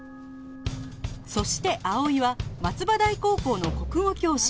そして葵は松葉台高校の国語教師